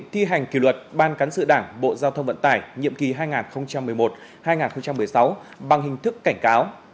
thi hành kỷ luật ban cán sự đảng bộ giao thông vận tải nhiệm kỳ hai nghìn một mươi một hai nghìn một mươi sáu bằng hình thức cảnh cáo